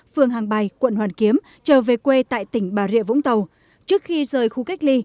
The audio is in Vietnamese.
phường hàng bài quận hoàn kiếm trở về quê tại tỉnh bà rịa vũng tàu trước khi rời khu cách ly